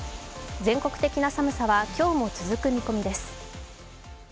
全国的な寒さは今日も続く見込みです。